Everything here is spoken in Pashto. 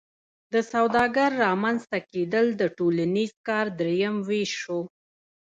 د سوداګر رامنځته کیدل د ټولنیز کار دریم ویش شو.